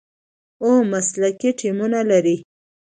او مسلکي ټیمونه لري،